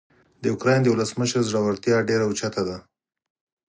د اوکراین د ولسمشر زړورتیا ډیره اوچته ده.